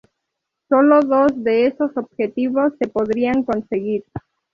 Solo dos de esos objetivos se podrían conseguir.